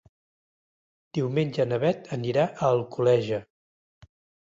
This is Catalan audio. Diumenge na Beth anirà a Alcoleja.